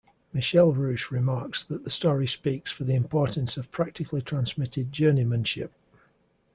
Michel Rouche remarks that the story speaks for the importance of practically transmitted journeymanship.